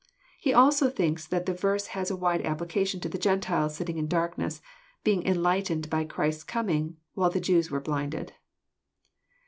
He also thinks that the verse has a wide application to the Gentiles sitting in darkness, being enlightened by Christ's coming, while the Jews were blinded.